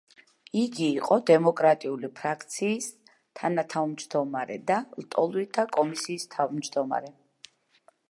იგი იყო დემოკრატიული ფრაქციის ფრაქციის თანათავმჯდომარე და ლტოლვილთა კომისიის თავმჯდომარე.